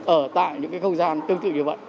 ở tại những cái không gian tương tự như vậy